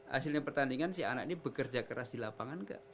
hasilnya pertandingan si anak ini bekerja keras di lapangan gak